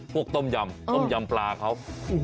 ต้มยำต้มยำปลาเขา